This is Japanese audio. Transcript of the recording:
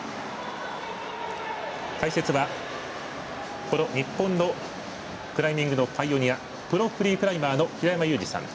解説は、この日本のクライミングのパイオニアプロフリークライマーの平山ユージさん